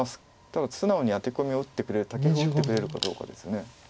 ただ素直にアテコミを打ってくれるタケフを打ってくれるかどうかです。